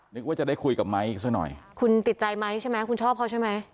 นึกว่าจะได้คุยกับไม้อีกสักหน่อยคุณติดใจไหมใช่ไหมคุณชอบเขาใช่ไหม